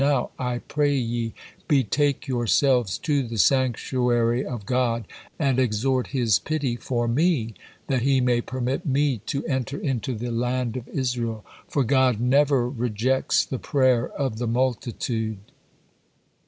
Now, I pray ye, betake yourselves to the sanctuary of God and exhort His pity for me, that He may permit me to enter into the land of Israel, for 'God never rejects the prayer of the multitude.'"